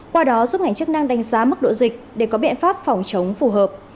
qua đó giúp ngành chức năng đánh giá mức độ dịch để có biện pháp phòng chống phù hợp